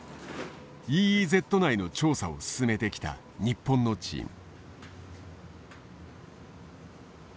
ＥＥＺ内の調査を進めてきた日本のチーム。